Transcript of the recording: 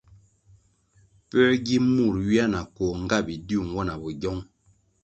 Puē gi mur ywia na koh nga bidiu nwo na bogyong?